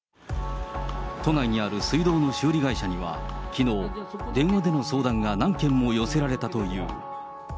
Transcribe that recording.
都内にある水道の修理会社には、きのう、電話での相談が何件も寄せられたという。